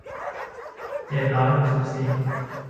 เจ็ดร้อยหกสิบสี่